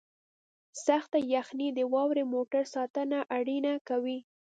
سخته یخنۍ د واورې موټر ساتنه اړینه کوي